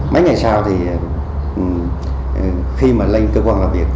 mấy ngày sau thì khi mà lên cơ quan làm việc